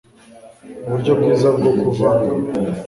Uburyo bwiza bwo kuvanga